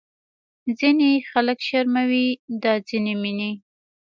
ځینې خلک شرموي دا ځینې مینې